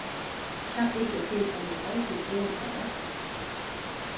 Sa is it him ommers altiten oanpraat.